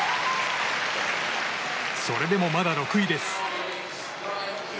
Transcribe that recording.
それでも、まだ６位です。